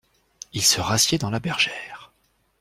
Il se rassied dans la bergère.